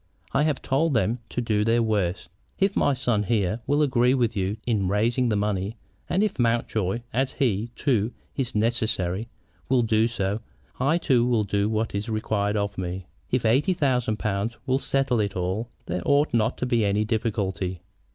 I have told them to do their worst. If my son here will agree with you in raising the money, and if Mountjoy, as he, too, is necessary, will do so, I too will do what is required of me. If eighty thousand pounds will settle it all, there ought not to be any difficulty.